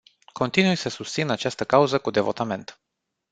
Continui să susțin această cauză cu devotament.